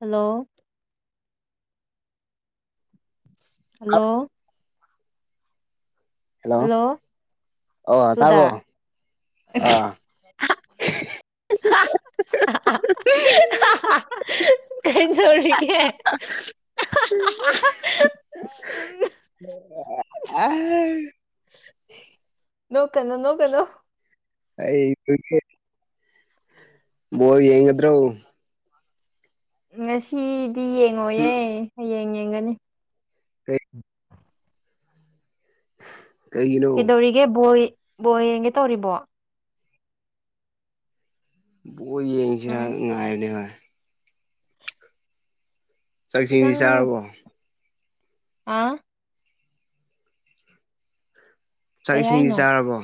Hello hello hello hello ꯑꯣ ꯆꯨꯗꯥ ꯇꯥꯕ꯭ꯔꯣ ꯑꯥ [inaudible] ꯀ ꯔꯅꯤ ꯀꯦ ꯎ ꯅꯣꯛ ꯀꯅꯣ ꯅꯣꯛ ꯀꯩꯅꯣ ꯑꯩ ꯣ ꯌꯦꯉꯗ꯭ꯔꯣ ꯁꯤ ꯌꯦꯡꯉꯣꯌꯦ ꯌꯦꯡꯉꯦ ꯃꯒꯅꯤ ꯍ [inaudible] ꯏꯗꯧꯔꯤꯒ ꯣ ꯕꯣ ꯌꯦꯡꯒꯦ ꯇꯧꯔꯤꯕꯣ ꯕꯣ ꯌꯦ ꯏꯁꯤꯔꯥ ꯎꯝ ꯉꯥꯏꯅꯦꯚ [inaudible] ꯆꯥꯛꯁꯤꯡꯤꯡꯁꯤ ꯅꯪ ꯆꯥꯔꯕꯣ ꯑꯥ ꯆꯥꯛ ꯀꯩ ꯍꯥꯏꯅꯣ ꯏꯁꯤꯡꯗꯤ ꯆꯥꯔꯕꯣ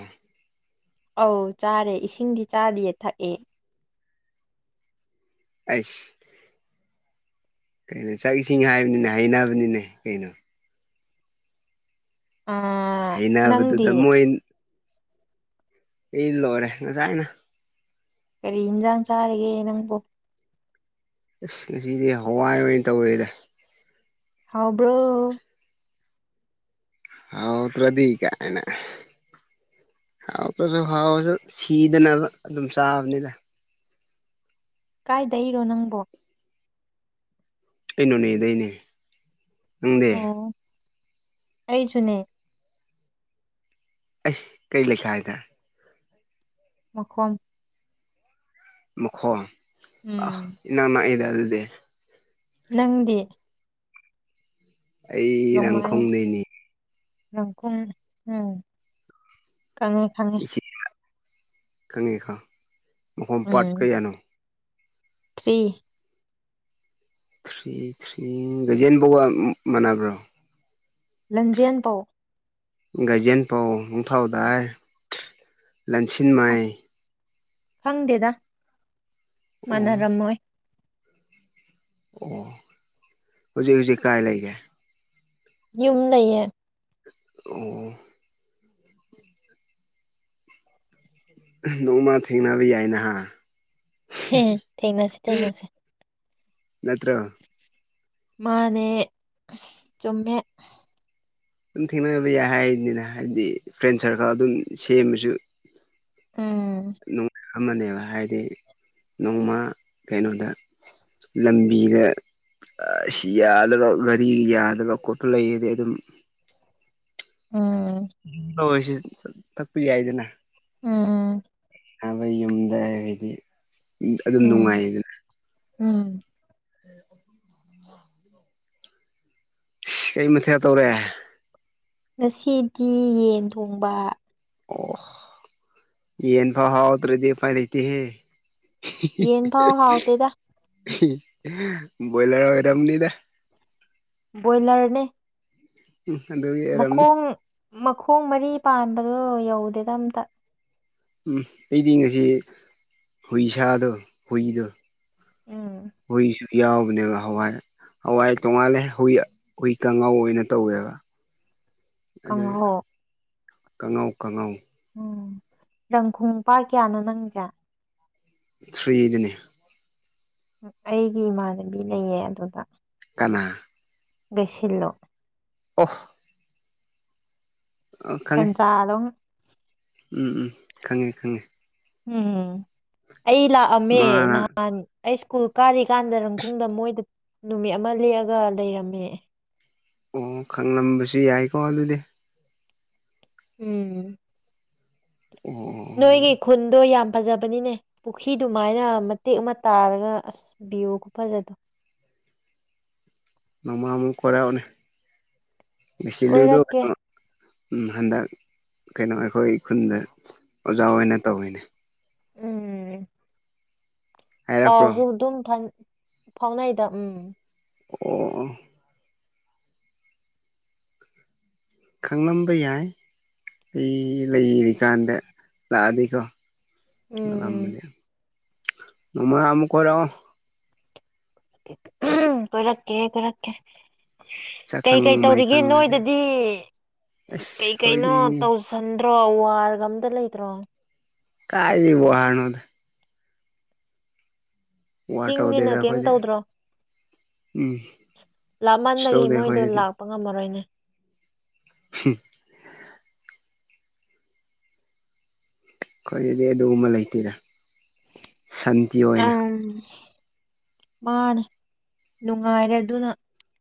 ꯑꯧ ꯆꯥꯔꯦ ꯏꯁꯤꯡꯗꯤ ꯆꯥꯗꯤꯌꯦ ꯊꯛꯑꯦ ꯑꯁ ꯀꯩꯅꯣ ꯆꯥꯛ ꯏꯁꯤꯡ ꯍꯥꯏꯕꯅꯤꯅꯦ ꯍꯩꯅꯕꯅꯤꯅꯦ ꯀꯩꯅꯣ ꯑꯥ ꯅꯪꯗꯤ ꯑꯩꯅꯕꯗꯨꯗ ꯃ ꯏ ꯂꯣꯔꯦ ꯅ ꯆꯥꯏꯅ ꯀꯔꯤ ꯏꯟꯁꯥꯡ ꯆꯥꯔꯤꯒꯦ ꯅꯪꯕꯨ ꯑꯁ ꯉꯁꯤꯗꯤ ꯍꯋꯥꯏ ꯑꯣꯏꯅ ꯇꯧꯋꯦꯗ ꯍꯥꯎꯕ꯭ꯔꯣ ꯍꯥꯎꯗ꯭ꯔꯗꯤ ꯀꯥꯏꯅ ꯍꯥꯎꯗ꯭ꯔꯁꯨ ꯍꯥꯎꯁꯨ ꯁꯤꯗꯅ ꯑꯗꯨꯝ ꯆꯥꯕꯅꯤꯗ ꯀꯥꯏꯗꯩꯔꯣ ꯅꯪꯕꯣ ꯑꯩꯅꯅꯗꯅꯦ ꯎꯗ ꯑꯩꯁꯨꯨꯅꯦ ꯑꯥ ꯀꯩ ꯂꯩꯈꯥꯏꯗ ꯃꯈꯣꯟ ꯃꯈꯈꯣ ꯑ ꯎꯝ ꯏ ꯏꯗ ꯑꯗꯨꯗꯦ ꯂꯪꯗꯤ ꯑꯩ ꯔꯪꯈꯣꯡ ꯂꯩꯅꯤ ꯅꯪꯈ ꯎꯝ ꯈꯪꯉꯦ ꯈꯪꯉꯦ ‌‍ꯈꯪꯉꯦ ꯈꯪ ꯃꯈꯝ ꯄꯥꯠ ꯎꯝ ꯀꯌꯥꯅꯣ ꯊ꯭ꯔꯤ ꯊ꯭ꯔꯤ ꯊꯔꯤ ꯖꯦꯟꯕꯕ ꯃꯅꯥꯕ꯭ꯔꯣ ꯂꯟꯖꯦꯟꯄꯧ ꯔꯖꯦꯟ ꯄꯥꯎ ꯑꯣꯟꯐꯥꯎꯗꯥꯏ ꯂꯟꯁꯤꯟ ꯃꯥꯏ ꯍꯪꯗꯦꯗ ꯑꯣ ꯃꯥꯟꯅꯔꯝꯃꯣꯏ ꯑꯣ ꯍꯧꯖꯤꯛ ꯍꯧꯖꯤꯛ ꯀꯥꯏ ꯂꯩꯒꯦ ꯌꯨꯝ ꯂꯩꯌꯦ ꯑꯣ ꯅꯣꯡꯃ ꯊꯦꯡꯅꯕ ꯌꯥꯏ ꯅꯍꯥꯛ ꯊꯦꯡꯅꯁꯦ ꯊꯦꯡꯅꯁꯦ ꯅꯠꯇ꯭ꯔꯥ ꯃꯥꯟꯅꯦ ꯆꯨꯝꯃꯦ ꯑꯗꯨꯝ ꯊꯦꯡꯅꯕ ꯌꯥꯏ ꯍꯥꯏꯅꯤꯅ ꯍꯥꯏꯕꯗꯤ ꯐ꯭ꯔꯦꯟ ꯁꯥꯔꯀꯜ ꯑꯗꯨꯝ ꯁꯦꯝꯃꯁꯨ ꯎꯝ ꯑꯃꯅꯦꯕ ꯍꯥꯏꯗꯤ ꯅꯣꯡꯃ ꯀꯩꯅꯣꯗ ꯂꯝꯕꯤꯗ ꯌꯥꯗꯕ ꯒꯥꯔꯤ ꯌꯥꯗꯕ ꯈꯣꯠꯄ ꯂꯩꯔꯗꯤ ꯑꯗꯨꯝ ꯎꯝ ꯍꯁꯦ ꯊꯞꯄꯤ ꯌꯥꯏꯗꯅ ꯎꯥ ꯎꯥ ꯑꯕ ꯌꯨꯝꯗꯕꯗꯤ ꯑꯗꯨꯝ ꯎꯝ ꯅꯨꯡꯉꯥꯏꯗꯅ ꯎꯝ ꯎꯝ ꯀꯩ ꯃꯊꯌꯥ ꯇꯧꯔꯦ ꯉꯁꯤꯗꯤ ꯌꯦꯟ ꯊꯣꯡꯕ ꯑꯣ ꯌꯦꯟ ꯐꯥꯎ ꯍꯥꯎꯇ꯭ꯔꯗꯤ ꯎꯄꯥꯏ ꯂꯩꯇꯦꯍꯦ ꯌꯦꯟ ꯐꯥꯎ ꯍꯥꯎꯇꯦꯗ ꯣꯣꯏꯂꯔ ꯑꯣꯏꯔꯝꯅꯤꯗ ꯕꯣꯏꯂꯔꯅꯦ ꯎꯝ ꯑꯗꯨꯒꯤ ꯑꯣꯏꯔꯝꯅꯤ ꯃꯈꯣꯡ ꯃꯈꯣꯡ ꯃꯔꯤ ꯄꯥꯟꯕ ꯑꯗꯣ ꯌꯧꯗꯦꯗ ꯑꯝꯇ ꯎꯝ ꯑꯩꯗꯤ ꯉꯁꯤ ꯍꯨꯏ ꯁꯥꯗꯣ ꯍꯨꯏꯗꯣ ꯎꯝ ꯍꯣꯏ ꯆꯦ ꯌꯥꯎꯕꯅꯦꯕ ꯍꯋꯥꯏ ꯍꯋꯥꯏ ꯇꯣꯡꯉꯥꯜꯂꯦ ꯍꯨꯏ ꯍꯨꯏ ꯀꯥꯡꯉꯥꯎ ꯑꯣꯏꯅ ꯇꯧꯋꯦꯕ ꯀꯥꯡꯪꯍꯣ ꯀꯅꯥꯎ ꯀꯅꯥꯧ ꯎꯝ ꯔꯪꯈꯣꯡ ꯄꯥꯔ ꯀꯌꯥꯅꯣ ꯅꯪꯁꯦ ꯁꯨꯏꯗꯅꯦ ꯑꯩꯒꯤ ꯏꯃꯥꯟꯅꯕꯤ ꯂꯩꯌꯦ ꯑꯗꯨꯗ ꯀ ꯁꯤꯜꯂꯣ ꯑꯍ ꯆꯖꯥꯔꯣꯡ ꯎꯝ ꯎꯝ ꯈꯪꯉꯦ ꯈꯪꯉꯦ ꯎꯝ ꯑꯩ ꯂꯥꯛꯑꯝꯃꯦ ꯃꯥꯅ ꯅꯍꯥꯟ ꯑꯩ ꯁꯀꯨꯜ ꯀꯥꯔꯤ ꯆꯥꯟꯗꯔꯪꯈꯨꯝꯗ ꯃꯣꯏꯗ ꯅꯨꯃꯤꯠ ꯑꯃ ꯂꯦꯛꯑꯒ ꯂꯩꯔꯝꯃꯦ ꯑꯣ ꯈꯪꯂꯝꯕꯁꯨ ꯌꯥꯏꯀꯣ ꯑꯗꯨꯗꯤ ꯎꯝ ꯑꯣ ꯅꯣꯏꯒꯤ ꯈꯨꯟꯗ ꯌꯥꯝ ꯐꯖꯕꯅꯤꯅꯦ ꯄꯨꯈ꯭ꯔꯤ ꯑꯗꯨꯃꯥꯏꯅ ꯇꯦꯛ ꯑꯃ ꯇꯥꯔꯒ ꯑꯁ ꯚꯤꯌꯨꯒ ꯐꯖꯗꯣ ꯃꯃꯃꯨ ꯀꯔ ꯁꯤ ꯂꯩꯗ ꯎ ꯀꯣꯏꯔꯛꯀꯦ ꯍꯟꯗꯛ ꯀꯩꯅꯣ ꯑꯩꯈꯣꯏ ꯈꯨꯟꯗ ꯑꯣꯖꯥ ꯑꯣꯏꯅ ꯇꯧꯋꯤꯅꯦ ꯎꯝ ꯍꯥꯏꯔꯛꯄ꯭ꯔꯣ ꯄꯥꯎꯁꯨ ꯑꯗꯨꯝ ꯐ ꯐꯥꯎꯅꯥꯏꯗ ꯎꯝ ꯑꯣ ꯈꯪꯂꯝꯕ ꯌꯥꯏ ꯑꯩ ꯂꯩꯔꯤꯀꯥꯟꯗ ꯂꯥꯛꯑꯗꯤꯀꯣ ꯎꯝ ꯑꯝꯕꯅꯤ ꯅꯃ ꯅꯃꯀ ꯑꯣꯔ ꯀꯔꯛꯀꯦ ꯀꯣꯏꯔꯛꯦ ꯀꯩ ꯁꯛꯈꯪ ꯀꯩ ꯇꯧꯔꯤꯒꯦ ꯃꯥꯏꯈꯪꯒꯁꯦ ꯑꯁ ꯅꯣꯏꯗꯗꯤ ꯀꯩ ꯀꯩꯅꯣ ꯑꯩꯈꯣꯏꯗꯤ ꯇꯧꯁꯟꯗ ꯠꯇ꯭ꯔꯣ ꯋꯥꯔꯒ ꯑꯝꯇ ꯂꯩꯇ꯭ꯔꯣ ꯀꯥꯏꯔꯤꯕꯕ ꯍꯥꯥꯔꯅꯣꯗ ꯋꯥꯔ ꯆꯤꯡꯅꯤꯅ ꯇꯧꯗꯦꯗ ꯀꯩꯝ ꯑꯩꯈꯣꯏꯗꯤ ꯎꯝ ꯇꯧꯗ꯭ꯔꯣ ꯀꯩꯁꯨ ꯂꯥꯃꯟꯕꯒꯤ ꯇꯧꯗꯦ ꯃꯣꯏꯗꯣ ꯑꯩꯈꯣꯏꯗꯗꯤ ꯂꯥꯛꯄ ꯉꯝꯃꯔꯣꯏꯅꯦ ꯎꯝ ꯑꯩꯏ ꯑꯗꯨꯗꯤ ꯑꯗꯨꯒꯨꯝꯕ ꯂꯩꯇꯦꯔ ꯁꯥꯟꯇꯤ ꯑꯣꯏꯅ ꯑꯪ ꯃꯥꯅꯦ ꯅꯨꯡꯉꯥꯏꯔꯦ ꯑꯗꯨꯅ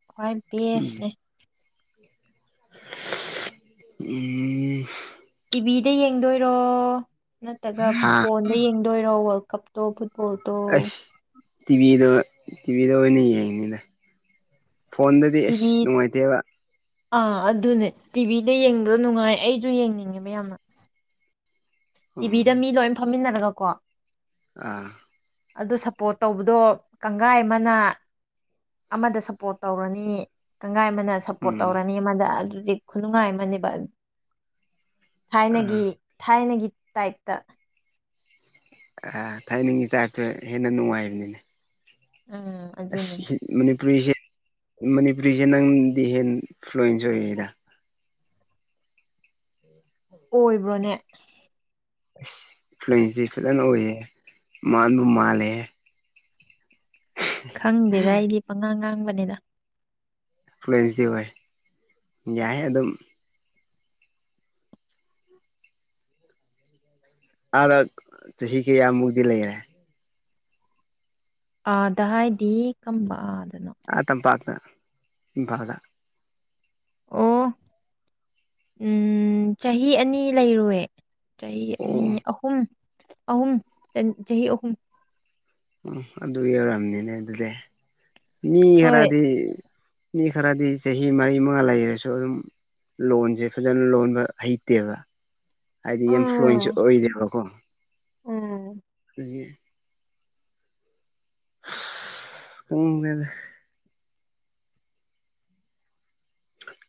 ꯈ꯭ꯋꯥꯏ ꯎꯝ ꯕꯦꯁꯅꯦ ꯎꯝ ꯇꯤꯚꯤꯗ ꯌꯦꯡꯗꯣꯏꯔꯣ ꯅꯠꯇꯒ ꯍꯥ ꯐꯣꯟꯗ ꯌꯦꯡꯗꯣꯏꯔꯣ ꯀꯞꯇꯣꯕꯨ ꯄꯣ ꯇꯣ ꯑꯩꯁ ꯇꯤꯚꯤꯗ ꯇꯤꯚꯤꯗ ꯑꯣꯏꯅ ꯑꯣꯏꯅ ꯌꯦꯡꯅꯤꯗ ꯐꯣꯟꯗꯗꯤ ꯑꯁ ꯇꯤꯚꯤ ꯅꯨꯡꯉꯥꯏꯇꯦꯕ ꯑꯥ ꯑꯗꯨꯅꯦ ꯇꯤꯚꯤꯗ ꯌꯦꯡꯕꯗ ꯅꯨꯡꯉꯥꯏ ꯑꯩꯁꯨ ꯌꯦꯡꯅꯤꯡꯉꯦꯕ ꯌꯥꯝꯅ ꯎꯝ ꯇꯤꯚꯤꯗ ꯃꯤ ꯂꯣꯏ ꯐꯝꯃꯤꯟꯅꯔꯒ ꯀꯣ ꯑꯥ ꯑꯗꯨ ꯁꯞꯄꯣꯔꯠ ꯇꯧꯕꯗꯣ ꯀꯥꯡꯒꯥꯏ ꯑꯃꯅ ꯑꯃꯗ ꯁꯞꯄꯣꯔꯠ ꯇꯧꯔꯅꯤ ꯁꯪꯒꯥꯏ ꯑꯃꯅ ꯁꯞꯄꯣꯔꯠ ꯎꯝ ꯇꯧꯔꯅꯤ ꯑꯃꯗ ꯍꯧꯖꯤꯛ ꯈꯨꯂꯨꯉꯥꯏ ꯃꯅꯤꯕꯜ ꯊꯥꯏꯅꯒꯤ ꯊꯥꯏꯅꯒꯤ ꯇꯥꯏꯠꯇ ꯑ ꯊꯥꯏꯅꯤꯡꯉ ꯆꯁꯨ ꯍꯦꯟꯅ ꯅꯨꯡꯉꯥꯏꯕꯅꯤꯅꯦ ꯎꯝ ꯑꯗꯨꯅꯦ ꯃꯅꯤꯄꯨꯔꯤꯁꯦ ꯃꯅꯤꯄꯨꯔꯤꯁꯦ ꯅꯪꯗꯤ ꯍꯦꯟ ꯐ꯭ꯂꯨꯟꯖꯣꯏꯔ ꯑꯣꯏꯕ꯭ꯔꯣꯅꯦ [unintelligible] ꯐ꯭ꯂꯁꯤ ꯐꯅ ꯑꯣꯏꯌꯦ ꯃꯥꯥꯡꯗ ꯃꯥꯂꯦ ꯈꯪꯗꯦꯗ ꯑꯩꯗꯤ ꯄꯉꯥꯡꯉꯥꯡ ꯃꯅꯦꯗ ꯑꯦ ꯐ꯭ꯂꯦꯟꯁꯗꯤ ꯋꯥꯥꯏ ꯌꯥꯏ ꯑꯗꯨ ꯑꯗꯨꯝ ꯑꯥꯗ ꯆꯍꯤ ꯀꯌꯥ ꯃꯨꯛꯇꯗꯤ ꯂꯩꯔꯦ ꯑꯥꯗ ꯍꯥꯏꯗꯤ ꯀꯝꯕ ꯑꯥꯗ ꯑꯇ ꯒ ꯥ ꯑꯣ ꯎ ꯆꯍꯤ ꯑꯅꯤ ꯂꯩꯔꯑꯦ ꯆꯍꯤ ꯑꯣ ꯑꯅꯤ ꯑꯍꯨꯝ ꯑꯍꯨꯝ ꯆꯍꯤ ꯑꯍꯨꯝ ꯎꯝ ꯑꯗꯨ ꯌꯧꯔꯑꯅꯤꯅꯦ ꯑꯗꯨꯗꯤ ꯃꯤ ꯍꯣꯏ ꯈꯔꯗꯤ ꯃꯤ ꯈꯔꯗꯤ ꯆꯍꯤ ꯃꯔꯤ ꯃꯉꯥ ꯂꯩꯔꯁꯨ ꯑꯗꯨꯝ ꯂꯣꯟꯁꯦ ꯐꯖꯅ ꯂꯣꯟꯕ ꯍꯩꯇꯦꯕ ꯍꯥꯏꯗꯤ ꯏꯟꯐ꯭ꯂꯨꯋꯟꯁ ꯎꯝ ꯑꯣꯏꯗꯦꯕꯀꯣ ꯎꯝ ꯒꯤ [inaudible] ꯈꯪꯗꯦꯗ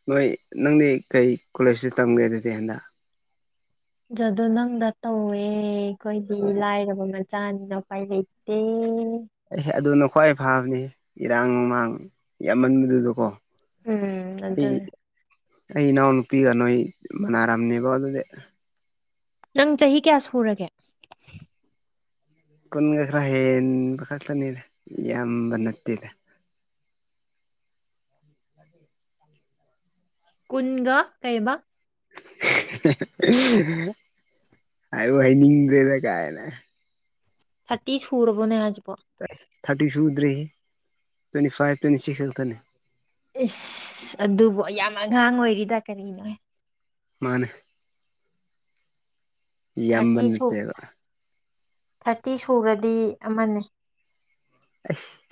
ꯅꯣꯏ ꯅꯪꯗꯤ ꯀꯩ ꯀꯣꯂꯦꯖꯇ ꯇꯝꯒꯦ ꯑꯗꯨꯗꯤ ꯍꯟꯗꯛ ꯖꯥꯗꯣ ꯅꯪꯅ ꯇꯧꯋꯦ ꯈꯣꯏꯗꯤ ꯂꯥꯏꯔꯕ ꯆꯥꯅ ꯎꯄꯥꯏ ꯂꯩꯇꯦ ꯑꯦ ꯍꯦ ꯑꯗꯨꯅ ꯈ꯭ꯋꯥꯏ ꯐꯕꯅꯤ ꯏꯔꯥꯡ ꯅꯨꯡꯃꯥꯡ ꯌꯥꯝꯃꯟꯕꯗꯨꯗꯀꯣ ꯎꯝ ꯑꯩ ꯑꯗꯨꯅꯦ ꯑꯩ ꯏꯅꯥꯎ ꯅꯨꯄꯤꯒ ꯅꯣꯏ ꯃꯅꯥꯔꯝꯅꯦꯕ ꯑꯗꯨꯗꯤ ꯅꯪ ꯆꯍꯤ ꯀꯌꯥ ꯁꯨꯔꯒꯦ ꯀꯟꯒ ꯈꯥꯔ ꯍꯦꯟꯕ ꯈꯛꯇꯅꯤꯗ ꯌꯥꯝꯕ ꯅꯠꯇꯦꯗ ꯀꯨꯟꯒ ꯀꯩꯕ ꯍꯥꯏꯕꯨ ꯍꯥꯢꯅꯤꯡꯗꯦꯗ ꯀꯥꯏꯅ ꯊꯥꯔꯇꯤ ꯁꯨꯔꯕꯣꯅꯦ ꯍꯥꯢꯁꯤꯕꯨ ꯄ [inaudible] ꯊꯥꯔꯇꯤ ꯁꯨꯗ꯭ꯔꯤ ꯇ꯭ꯋꯦꯟꯇꯤ ꯐꯥꯏꯚ ꯇ꯭ꯋꯦꯟꯇꯤ ꯁꯤꯛꯁ ꯑꯗꯨꯇꯅꯤ ꯏꯁ ꯑꯗꯨꯕꯨ ꯌꯥꯝ ꯑꯉꯥꯡ ꯑꯣꯏꯔꯤꯗ ꯀꯔꯤꯅꯣ ꯍꯦ ꯃꯥꯅꯦ ꯌꯥꯝꯕ ꯊꯥꯔꯇꯤ ꯁꯨ ꯅꯠꯇꯦꯕ ꯊꯥꯔꯇꯤ ꯁꯨꯔꯗꯤ ꯑꯃꯅꯤ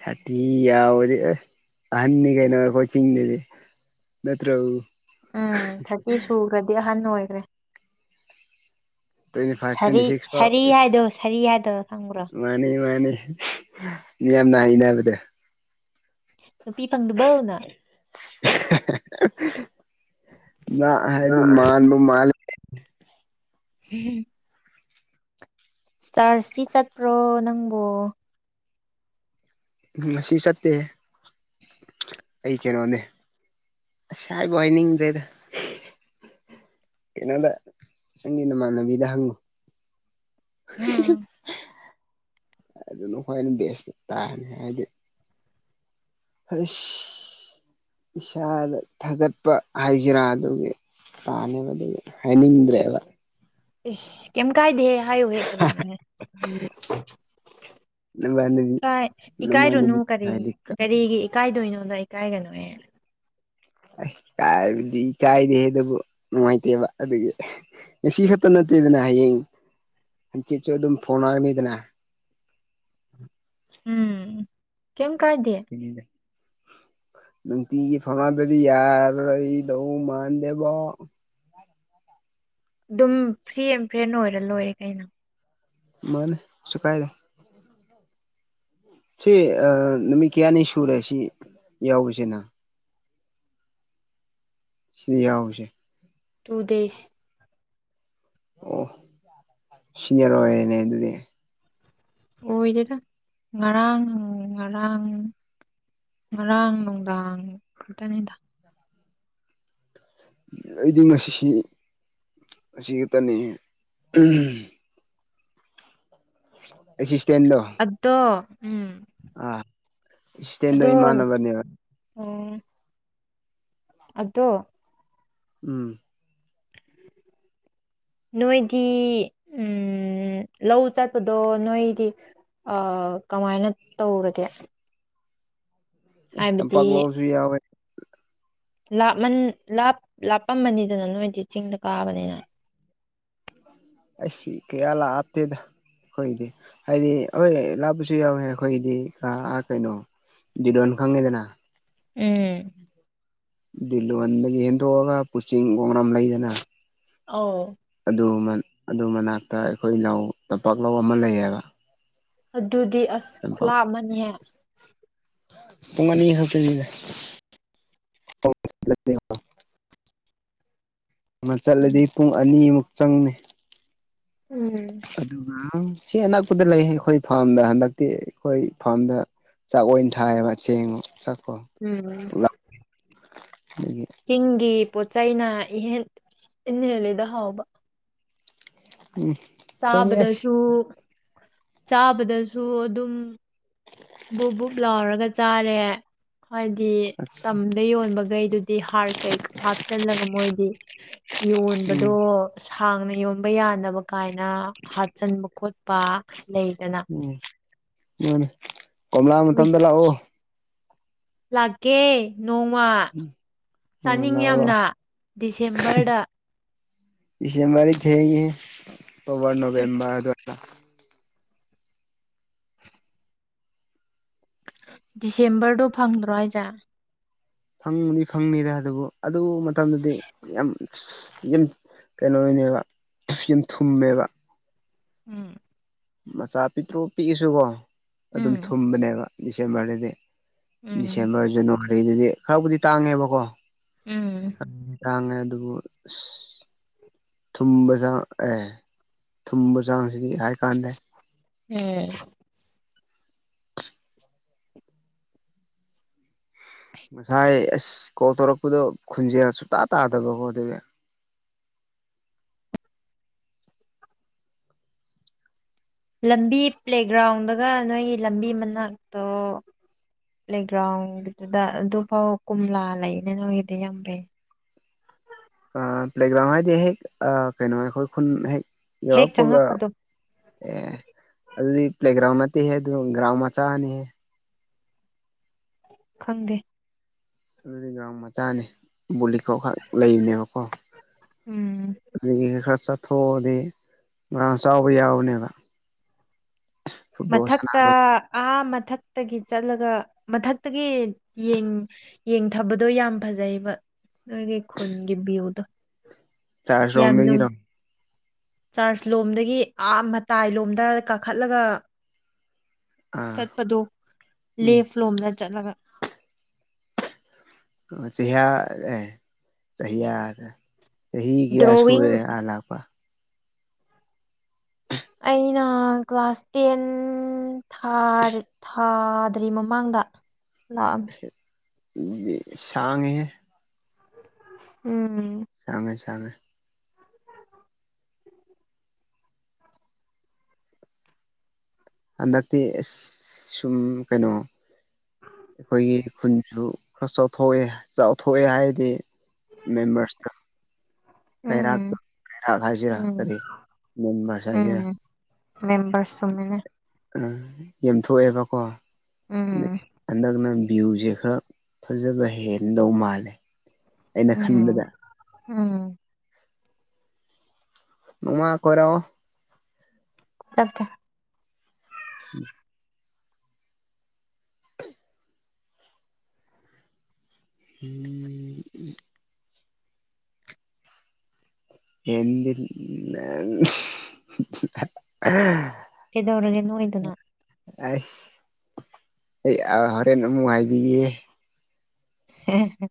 ꯊꯥꯔꯇꯤ ꯌꯧꯔꯗꯤ ꯑꯍꯟꯅꯤ ꯀꯩꯅꯣ ꯑꯩꯈꯣꯢ ꯆꯤꯡꯗꯗꯤ ꯅꯠꯇ꯭ꯔꯣ ꯎꯝ ꯊꯥꯔꯇꯤ ꯁꯨꯈ꯭ꯔꯗꯤ ꯑꯍꯟ ꯑꯣꯏ [inaudible] ꯇ꯭ꯋꯦꯟꯇꯤ ꯐꯥꯏꯚ ꯇ꯭ꯋꯦꯟꯇꯤ ꯁꯤꯛꯁ ꯐꯥꯎ ꯍꯥꯏꯗꯣ ꯁꯥꯔꯤ ꯍꯥꯏꯗꯣ ꯈꯪꯕ꯭ꯔꯣ ꯅꯨꯡꯉꯥꯏꯅꯤ ꯢꯕꯥꯅꯤ [unintelligible] ꯅꯥꯢ ꯍꯥꯢꯅꯕꯁꯦ ꯅꯨꯄꯤ ꯐꯪꯗꯕꯣ ꯅꯪ ꯅ ꯍꯥꯏ ꯃꯥꯥꯟꯕꯨ ꯃꯥꯜꯂꯤ [inaudible] ꯎꯝ ꯆ꯭ꯔꯁ ꯇꯤ ꯆꯠꯄ꯭ꯔꯣ ꯅꯪꯕꯨ ꯎꯝ ꯉꯁꯤ ꯆꯠꯇꯦ ꯑꯩ ꯀꯩꯅꯣꯅꯤ ꯑꯁ ꯍꯥꯏꯕꯨ ꯍꯥꯏꯅꯤꯡꯗ꯭ꯔꯦꯗ ꯀꯩꯅꯣꯗ ꯅꯪꯒꯤ ꯅꯃꯥꯟꯅꯕꯤꯗ ꯍꯪꯉꯨ [inaudible] ꯑꯗꯨꯅ ꯈꯋꯥꯢ ꯕꯦꯁꯇꯤ ꯇꯥꯔꯅꯤ ꯍꯥꯏꯗꯤ ꯑꯁ ꯏꯁꯥꯗ ꯊꯥꯒꯠꯄ ꯍꯥꯏꯖꯤꯔꯥ ꯑꯗꯨꯒꯤ ꯇꯅꯦꯕ ꯑꯗꯨꯒꯤ ꯍꯥꯏꯅꯤꯡꯗ꯭ꯔꯦꯕ ꯏꯁ ꯀꯦꯝ ꯀꯥꯏꯗꯦ ꯍꯥꯏꯌꯨꯍꯦ ꯀꯔꯤꯅꯣꯍꯦꯥꯏ ꯅꯃꯥꯟꯅꯕꯤ ꯏꯀꯥꯏꯔꯨꯅꯨ ꯅꯃꯥꯟꯅꯕꯤ ꯀꯔꯤ ꯍꯥꯏꯗꯤ ꯀꯔꯤꯒꯤ ꯏꯀꯥꯏꯗꯣꯏꯅꯣ ꯑꯗ ꯑꯩ ꯀꯥꯏꯒꯅꯨ ꯑꯩ ꯀꯥꯏꯕꯗꯤ ꯀꯥꯏꯗꯦꯦ ꯑꯗꯨꯕꯨ ꯅꯨꯡꯉꯥꯏꯇꯦꯕ ꯑꯗꯨꯒꯤ ꯉꯁꯤ ꯈꯛꯇ ꯅꯠꯇꯦꯗꯅ ꯍꯌꯦꯡ ꯍꯪꯆꯤꯠꯁꯨ ꯑꯗꯨꯝ ꯐꯣꯟ ꯑꯣꯏꯔꯝꯅꯤꯗꯅ ꯎꯝ ꯀꯝ ꯍ ꯅꯇ ꯐꯉꯗꯔꯤ ꯌꯥꯔ ꯑꯩ ꯅꯧ ꯃꯥꯗꯦꯕ ꯑꯗꯨꯝ ꯐꯤ ꯑꯦꯝꯐ꯭ꯔꯦꯟ ꯑꯣꯏꯔ ꯂꯣꯏꯔꯦ ꯀꯩꯅꯣ ꯃꯥꯣꯏꯅꯤ ꯆꯀꯥꯏꯗ ꯁꯤ ꯑ ꯅꯨꯃꯤ ꯀꯌꯥꯅꯤ ꯁꯨꯔꯨꯔꯦ ꯁꯤ ꯌꯥꯎꯁꯦꯅ ꯁꯤꯍꯥꯎꯁꯦ ꯇꯨꯗꯦꯁ ꯑꯣ ꯁꯤꯔ ꯑꯣꯏꯔꯅꯦ ꯑꯗꯨꯗꯤ ꯑꯣꯏꯗꯦꯗ ꯉꯔꯥꯡ ꯉꯔꯥꯡ ꯉꯔꯥꯡ ꯅꯨꯡꯗꯥꯡ ꯈꯛꯇꯅꯤꯗ ꯑꯩꯗꯤ ꯉꯁꯤ ꯑꯁꯤ ꯈꯛꯇꯅꯤ ꯑꯦ ꯁꯤ ꯑꯗꯨꯗꯣ ꯎꯝ ꯑꯥ ꯏꯁꯦꯟꯟ ꯑꯗꯣ ꯏꯃꯥꯟꯕꯅꯤ ꯑꯗꯨꯠꯇꯣ ꯎꯝ ꯅꯣꯏꯗꯤ ꯂꯧ ꯆꯠꯄꯗꯣ ꯅꯣꯏꯗꯤ ꯀꯃꯥꯏꯅ ꯇꯧꯔꯒꯦ ꯇꯝ ꯍꯥꯏꯕꯗꯤ ꯄꯒꯂꯁꯨꯨ ꯌꯥ ꯂꯥꯞꯄꯃꯅꯤꯗꯅ ꯅꯣꯏꯗꯤ ꯆꯤꯡꯗ ꯀꯥꯕꯅꯤꯅ ꯑꯩꯁꯤ ꯀꯌꯥ ꯂꯥꯛꯑꯞꯇꯦꯗ ꯑꯩꯈꯣꯏꯒꯤꯗꯤ ꯍꯥꯏꯗꯤ ꯍꯣꯏ ꯂꯥꯛꯞꯄꯁꯨ ꯌꯥꯎꯋꯦ ꯑꯩꯈꯣꯏꯒꯤꯗꯤ ꯀꯩꯅꯣ ꯔꯣꯟ ꯈꯪꯉꯦꯗꯅ ꯎꯝ ꯜꯟ ꯌꯦꯟ ꯇꯒ ꯄꯨꯆ ꯄ꯭ꯔꯣꯒ꯭ꯔꯝ ꯂꯩꯗꯅ ꯑꯥꯎ ꯑꯗꯨ ꯑꯗꯨ ꯃꯅꯥꯛꯇ ꯑꯩꯈꯣꯏ ꯏꯅꯥꯎ ꯇꯝꯄꯥꯛ ꯂꯧ ꯑꯃ ꯂꯩꯌꯦꯕ ꯑꯗꯨ ꯑꯗꯨꯗꯤ ꯑꯁ ꯈꯨꯂꯥ ꯑꯃꯅꯤꯍ [unintelligible] ꯇꯣꯃꯥꯟꯅꯤ ꯍꯥꯇ ꯑꯃ ꯆꯠꯂꯗꯤ ꯎꯝ ꯄꯨꯡ ꯑꯅꯤꯃꯨꯛ ꯆꯪꯏ ꯎꯝ ꯑꯗꯨꯒ ꯎ ꯁꯤ ꯑꯅꯛꯄꯗ ꯂꯩ ꯑꯩꯈꯣꯏ ꯐꯥꯔꯝꯗ ꯍꯟꯗꯛꯇꯤ ꯑꯩꯈꯣꯏ ꯐꯥꯔꯝꯗ ꯆꯥꯛ ꯑꯣꯏꯅ ꯊꯥꯏꯌꯦꯕ ꯆꯦꯡꯥꯛ ꯎꯝ ꯑ [inaudible] [unintelligible] ꯆꯤꯡꯒꯤ ꯄꯣꯠ ꯆꯩꯅ ꯏꯍꯦꯟ ꯏ ꯍꯦꯜꯂꯤꯗ ꯍꯥꯎꯕ ꯎꯝ ꯑꯩꯈꯣꯏꯗꯤ ꯆꯥꯕꯗꯁꯨ ꯆꯥꯕꯗꯁꯨ ꯑꯗꯨꯝ ꯕꯨꯛ ꯕꯨꯞ ꯂꯥꯎꯔꯒ ꯆꯥꯔꯦ ꯍꯥꯏꯗꯤ ꯑꯁ ꯇꯝꯗ ꯌꯣꯟꯕꯈꯩꯗꯨꯗꯤ ꯍꯥꯔ ꯀꯩꯀ ꯍꯥꯞꯆꯜꯂꯒ ꯃꯣꯏꯗꯤ ꯌꯣꯟꯕꯗꯣ ꯎꯝ ꯁꯥꯡꯅ ꯌꯣꯕ ꯌꯥꯅꯕ ꯀꯥꯏꯅ ꯍꯥꯠꯆꯤꯟꯕ ꯈꯣꯠꯄ ꯂꯩꯗꯅ ꯎꯝ ꯃꯥꯅꯦ ꯀꯣꯝꯂꯥ ꯃꯇꯝꯗ ꯂꯥꯛꯑꯣ ꯂꯥꯀꯦ ꯅꯣꯡꯃ ꯎꯝ ꯆꯥꯅꯤꯡ ꯂꯥꯛꯑꯣ ꯂꯥꯛꯑꯣ ꯌꯥꯝꯅ ꯗꯤꯁꯦꯝꯕꯔꯗ ꯏꯁ ꯗꯤꯁꯦꯝꯕꯔꯗ ꯊꯦꯪꯏ꯫ ꯑꯣꯛꯇꯣꯕꯔ ꯅꯕꯦꯝꯕꯔ ꯑꯗꯨꯋꯥꯏ ꯑ [inaudible] [unintelligible] ꯗꯤꯁꯦꯝꯕꯔꯗꯨ ꯐꯪꯗ꯭ꯔꯣ ꯍꯥꯏꯖꯦ ꯐꯪꯅꯤ ꯐꯪꯅꯤꯗ ꯑꯗꯨꯕꯨ ꯑꯗꯨ ꯃꯇꯝꯗꯗꯤ ꯌꯥꯝ ꯌꯥꯝ ꯀꯩꯅꯣꯅꯦꯕ ꯌꯥꯝ ꯊꯨꯝꯃꯦꯕ ꯎꯝ ꯃꯆꯥ ꯄꯤꯛꯇ꯭ꯔꯣ ꯄꯤꯛꯏꯁꯨꯀꯣ ꯑꯗꯨꯝ ꯎꯝ ꯊꯨꯝꯕꯅꯦꯕ ꯗꯤꯁꯦꯝꯕꯔꯗꯗꯤ ꯎꯝ ꯗꯤꯁꯦꯝꯕꯔ ꯖꯋꯥꯔꯤ ꯀꯩꯗꯨꯗꯤ ꯈꯔꯕꯨꯗꯤ ꯇꯥꯡꯉꯦꯕꯀꯣ ꯎꯝ ꯇꯥꯡꯉꯦ ꯑꯗꯨꯕꯨ ꯊꯨꯝꯕ ꯆꯥꯡ ꯑꯦ ꯊꯨꯝꯕ ꯆꯥꯡꯁꯤꯗꯤ ꯍꯥꯏ ꯀꯥꯟꯗ ꯎꯝ ꯉꯁꯥꯏ ꯑꯁ ꯀꯣ ꯇꯧꯔꯛꯄꯗꯣ ꯈꯨꯟꯖꯦꯜ ꯁꯨꯇꯥ ꯇꯥꯗꯕꯀꯣ ꯑꯗꯨꯗꯤ ꯂꯝꯕꯤ ꯄ꯭ꯂꯦꯒ꯭ꯔꯥꯎꯟꯗꯒ ꯅꯣꯏꯒꯤ ꯂꯝꯕꯤ ꯃꯅꯥꯛꯇꯣ ꯄ꯭ꯂꯦꯒ꯭ꯔꯥꯎꯟꯗꯨꯗ ꯑꯗꯨꯐꯥꯎ ꯀꯣꯝꯂꯥ ꯂꯩꯅꯦ ꯅꯣꯏꯒꯤꯗꯤ ꯌꯥꯝ ꯐꯩ ꯑ ꯄ꯭ꯂꯦꯒ꯭ꯔꯥꯎꯟ ꯍꯥꯏꯗꯦ ꯍꯦꯛ ꯑ ꯀꯩꯅꯣ ꯑꯩꯈꯣꯏ ꯈꯨꯟꯍꯦꯛ ꯍꯦꯛ ꯌꯎꯄꯒ ꯆꯪꯉꯛꯄꯗꯣ ꯑꯦ ꯑ ꯄ꯭ꯂꯦꯒ꯭ꯔꯥꯎꯟ ꯑꯗꯨꯒ꯭ꯔꯥꯎ ꯃꯆꯥꯥꯅꯤ ꯈꯪꯗꯦ ꯑꯗꯨꯗꯤ ꯒꯔ꯭ꯤꯎꯟ ꯃꯆꯥꯅꯤ ꯀꯣ ꯈ ꯂꯩꯅꯦ ꯑꯀꯣ ꯎꯝ ꯈ ꯆ [unintelligible] ꯊꯣꯛꯑꯗꯤ ꯉꯥꯡ ꯆꯥꯎꯕ ꯌꯥꯎꯅꯦꯕ ꯃꯊ ꯇ ꯑ ꯃꯊꯛꯇꯒꯤ ꯆꯠꯂꯒ ꯃꯊꯛꯇꯒꯤ ꯌꯦꯡꯊꯕꯗꯣ ꯌꯥꯝ ꯐꯖꯩꯑꯕ ꯅꯣꯏꯒꯤ ꯈꯨꯟꯒꯤ ꯚ꯭ꯌꯨꯗꯣ ꯆꯥꯁ ꯔꯝꯝꯕ ꯀꯔꯣꯝ ꯆꯥꯔꯖ ꯂꯣꯝꯗꯒꯤ ꯑꯥ ꯃꯇꯥꯏ ꯂꯣꯝꯗ ꯀꯥꯈꯠꯂꯒ ꯑꯥ ꯆꯠꯄꯗꯣ ꯂꯦ ꯎꯝ ꯐ ꯂꯣꯝꯅ ꯆꯠꯂꯒ ꯑꯣ ꯆꯍꯤꯌꯥ ꯑꯦ ꯆꯍꯤꯌꯥ ꯗ꯭ꯔꯣꯋꯤꯡ ꯍꯒꯌꯥꯁꯨꯨꯑꯦ ꯑꯂꯥꯛꯄ ꯑꯩꯅ ꯀ꯭ꯂꯥꯁ ꯇꯦꯟ ꯊꯥꯗ꯭ꯔꯤ ꯃꯃꯥꯡꯗ ꯂꯛ ꯑꯝ ꯃꯦ ꯁꯉꯦ ꯎꯝ ꯆꯃꯦ ꯊ ꯍꯟꯗꯛꯇꯤ ꯑꯁ ꯁꯨꯝ ꯀꯩꯅꯣ ꯑꯩꯈꯣꯏꯒꯤ ꯈꯨꯟꯁꯨ ꯈꯔ ꯆꯥꯎꯊꯣꯛꯑꯦ ꯆꯥꯎꯊꯣꯛꯑꯦ ꯍꯥꯏꯔꯗꯤ ꯃꯦꯝꯔꯁꯇ ꯀꯩꯔꯥꯛ ꯎꯝ ꯀꯔꯥꯛ ꯍꯥꯏꯁꯤꯔꯥ ꯎꯝ ꯀꯔꯤ ꯃꯦꯝꯕꯔꯁ ꯍꯥꯏꯁꯤꯔꯥ ꯃꯦꯝꯕꯔꯁꯅꯦ ꯑ ꯌꯦꯝꯊꯣꯛꯑꯦꯕꯀꯣ ꯎꯝ ꯑꯟꯗꯒꯅ ꯚ꯭ꯌꯨꯁꯦ ꯈꯔ ꯐꯖꯕ ꯍꯦꯟꯗꯧ ꯃꯥꯜꯂꯦ ꯑꯩꯅ ꯎꯝ ꯈꯟꯕꯗ ꯎꯝ ꯃꯥ ꯀꯣꯔꯔꯣ ꯑꯣꯀꯦ ꯎꯝ ꯎꯝ ꯍ ꯀꯩꯗꯧꯔꯒꯦ ꯅꯣꯏꯗꯨꯅ ꯑꯩ ꯑꯩ ꯍꯣꯔꯦꯟ ꯑꯃꯨꯛ ꯍꯥꯏꯕꯤꯌꯦꯦ ꯎꯝ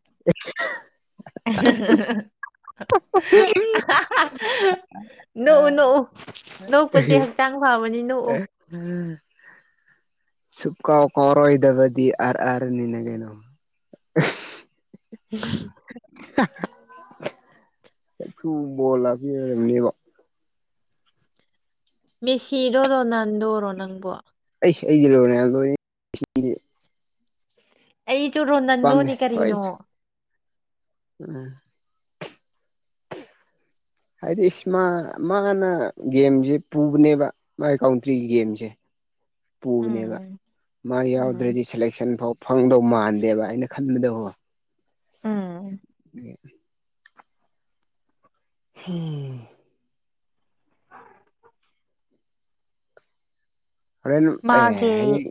[unintelligible] ꯍ ꯅꯣꯛꯎ ꯅꯣꯛꯎ ꯅꯣꯛꯄꯁꯦ ꯍꯛꯆꯥꯡ ꯐꯕꯅꯤ ꯅꯣꯛꯎ ꯆꯨꯄ ꯀꯥꯎ ꯋꯥ ꯀ ꯑꯣꯏꯔꯣꯏꯗꯕꯗꯤ ꯑ ꯅꯅꯒꯅꯣ ꯎ [inaudible] ꯑꯦꯁꯨ ꯣ ꯂꯒꯔꯝꯅꯦꯕ ꯃꯦꯁꯤꯔꯣ ꯔꯣꯅꯥꯜꯗꯣꯔꯣ ꯅꯪꯕꯣ ꯑꯩꯗꯤ ꯂꯣꯏꯔꯦꯗꯣ ꯑꯩ ꯆꯔꯣ ꯅꯗꯣꯅꯤ ꯀꯔꯤꯅꯣ ꯑꯝ ꯍꯥꯏꯗꯤ ꯏꯁ ꯃꯥꯅ ꯒꯦꯝꯁꯦ ꯄꯨꯕꯅꯦꯕ ꯃꯥꯒꯤ ꯀꯥꯎꯟꯇ꯭ꯔꯤ ꯒꯦꯝꯁꯦ ꯄꯨꯕꯅꯦꯕ ꯎꯝ ꯃꯥ ꯎꯝ ꯌꯥꯎꯗ꯭ꯔꯗꯤ ꯁꯦꯂꯦꯛꯁꯟ ꯐꯥꯎ ꯐꯪꯗꯧ ꯃꯥꯟꯗꯦꯕ ꯑꯩꯅ ꯈꯟꯕꯗ ꯍꯣ ꯎ ꯎꯝ ꯎꯝ ꯍꯣꯔꯦꯟ ꯑꯦ ꯃꯥꯒꯤ ꯍꯌꯦꯡ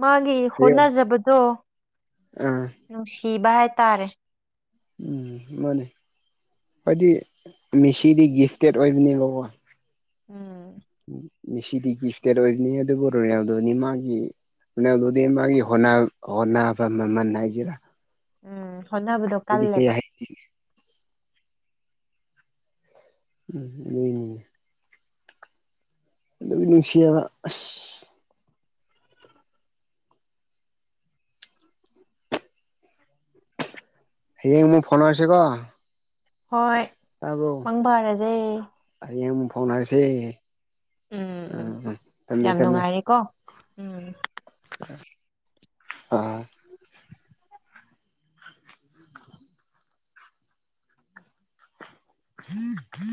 ꯃꯥꯒꯤ ꯍꯌꯣ ꯍꯣꯠꯅꯖꯕꯗꯣ ꯑꯥ ꯅꯨꯡꯁꯤꯕ ꯍꯥꯏ ꯇꯥꯔꯦ ꯎꯝ ꯃꯥꯅꯦ ꯍꯥꯏꯗꯤ ꯃꯦꯁꯤꯗꯒꯤ ꯏꯁꯇꯦꯠ ꯑꯣꯏꯕꯅꯦꯕ ꯀꯣ ꯎꯝ ꯎ ꯃꯤ ꯁꯤꯗꯤ ꯒꯤꯐꯇꯦꯠ ꯑꯣꯏꯕꯅꯤ ꯑꯗꯨꯒ ꯔꯅꯥꯎꯗꯨꯅꯤ ꯃꯥꯒꯤ ꯔꯅꯥꯎꯗꯨꯗꯤ ꯃꯥꯒꯤ ꯍꯣꯅꯕ ꯃꯃꯜ ꯍꯥꯏꯒꯦꯔꯥ ꯎꯝ ꯍꯣꯠꯅꯕꯗꯣ ꯀꯜꯂꯦꯕ ꯎꯝ ꯑ ꯑ ꯂꯅꯨꯡꯅꯨꯡꯁꯤꯌꯥ ꯍꯌꯡ ꯃꯨꯛ ꯐꯥꯎꯅꯔꯁꯦ ꯀꯣ ꯍꯣꯏ ꯃꯪ ꯐꯥꯔꯁꯦ ꯍꯧꯅꯔꯁꯦ ꯎꯝ ꯎꯝ ꯌꯥꯝ ꯊꯝꯃꯦ ꯅꯨꯡꯉꯥꯏꯔꯤꯀꯣ ꯎꯝ ꯑ [unintelligible]